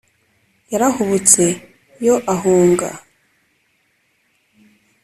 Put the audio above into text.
yarahubutse yo ahunga